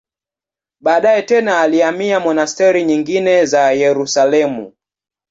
Baadaye tena alihamia monasteri nyingine za Yerusalemu.